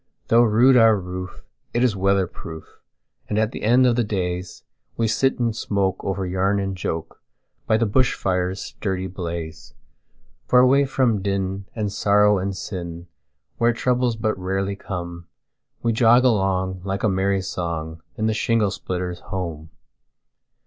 Though rude our roof, it is weather proof, And at the end of the daysWe sit and smoke over yarn and joke, By the bush fire's sturdy blaze. For away from din, and sorrow and sin, Where troubles but rarely come, We jog along, like a merry song, In the shingle splitter's home.